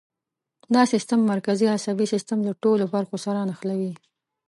دا سیستم مرکزي عصبي سیستم له ټولو برخو سره نښلوي.